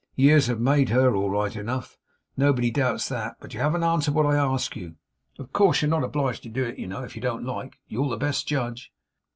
'Years have made her all right enough. Nobody doubts that. But you haven't answered what I asked you. Of course, you're not obliged to do it, you know, if you don't like. You're the best judge.